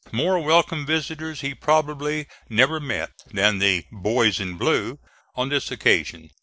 More welcome visitors he probably never met than the "boys in blue" on this occasion.